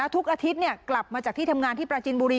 ทุกอาทิตย์กลับมาจากที่ทำงานที่ปราจินบุรี